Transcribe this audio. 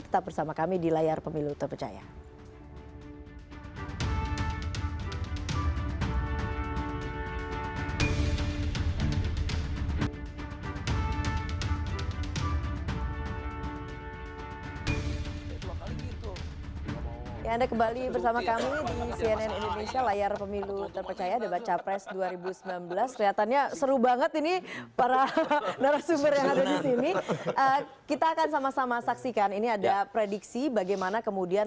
tetap bersama kami di layar pemilu terpercaya